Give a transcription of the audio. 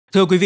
thưa quý vị